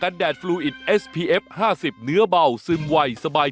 กันแดดฟลลวิดเอสพีเอฟห้าสิบเนื้อเบาซึมไหวสบาย